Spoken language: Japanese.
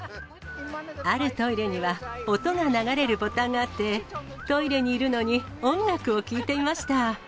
あるトイレには、音が流れるボタンがあって、トイレにいるのに音楽を聴いていました。